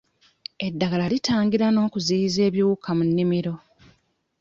Eddagala litangira n'okuziyiza ebiwuka mu nnimiro.